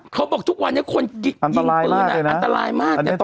เขาบอกทุกวันนี้คนยิงปืนอันตรายมากเนี่ย